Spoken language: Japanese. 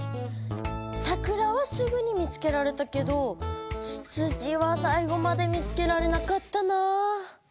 「さくら」はすぐに見つけられたけど「つつじ」はさい後まで見つけられなかったな。